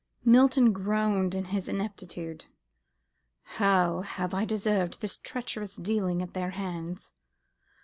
Milton groaned in his ineptitude. "How have I deserved this treacherous dealing at their hands?